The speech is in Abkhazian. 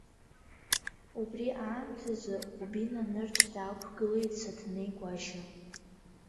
Убри аамҭазы, Ҟәбина нырцә даақәгылеит Саҭанеи Гәашьа.